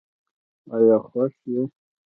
آیا خوښ یې؟